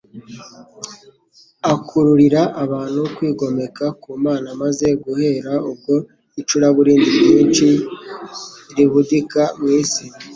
Akururira abantu kwigomeka ku Mana maze guhera ubwo icuraburindi ryinshi ribudika mu isi.